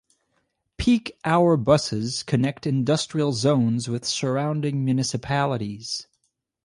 Peak hour buses connect industrial zones with surrounding municipalities.